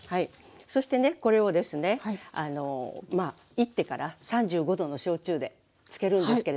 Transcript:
そしてねこれをですねいってから３５度の焼酎で漬けるんですけれども。